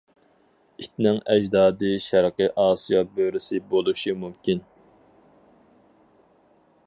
ئىتنىڭ ئەجدادى شەرقىي ئاسىيا بۆرىسى بولۇشى مۇمكىن.